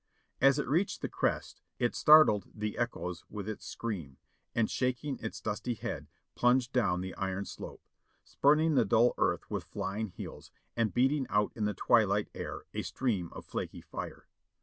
As it reached the crest it startled the echoes with its scream, and shaking its dusky head, plunged down the iron slope — spurning the dull earth with flying heels, and beating out in the twilight air a stream of flaky fire.